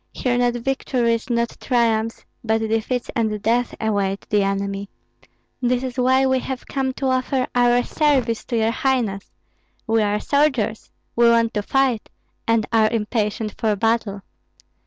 Here not victories, not triumphs, but defeats and death await the enemy. This is why we have come to offer our service to your highness. We are soldiers; we want to fight, and are impatient for battle."